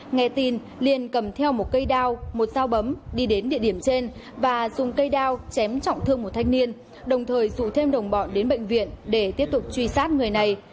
nghe tin liên cầm theo một cây đao một dao bấm đi đến địa điểm trên và dùng cây đao chém trọng thương một thanh niên đồng thời rủ thêm đồng bọn đến bệnh viện để tiếp tục truy sát người này